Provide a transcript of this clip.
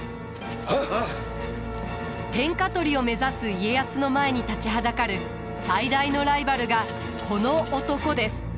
天下取りを目指す家康の前に立ちはだかる最大のライバルがこの男です。